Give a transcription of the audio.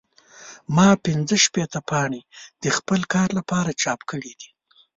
ما پنځه شپېته پاڼې د خپل کار لپاره چاپ کړې دي.